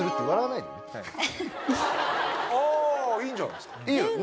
いいんじゃないですか。